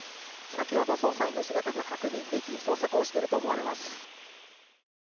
先ほど、捜査員の姿が確認でき捜索をしていると思われます。